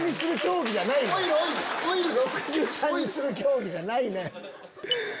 ６３にする競技じゃないねん！